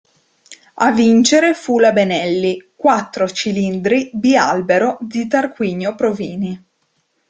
A vincere fu la Benelli quattro cilindri bialbero di Tarquinio Provini.